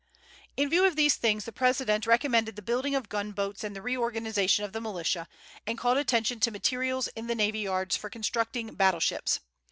In view of these things, the President recommended the building of gunboats and the reorganization of the militia, and called attention to materials in the navy yards for constructing battleships.